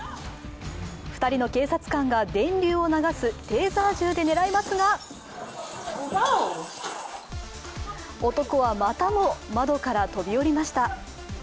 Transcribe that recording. ２人の警察官が電流を流すテーザー銃で狙いますが男はまたも窓から飛び降りました。